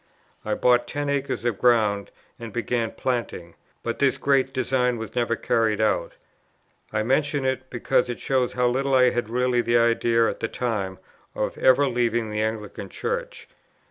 I bought ten acres of ground and began planting; but this great design was never carried out. I mention it, because it shows how little I had really the idea at that time of ever leaving the Anglican Church.